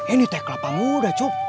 ini teh kelapa muda cup